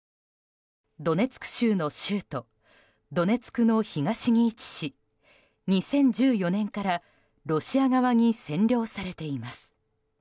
ドネツク州の州都ドネツクの東に位置し２０１４年からロシア側に占領されています。